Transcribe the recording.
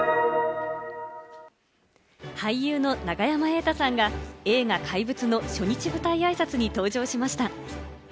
俳優の永山瑛太さんが映画『怪物』の初日舞台あいさつに登場しました。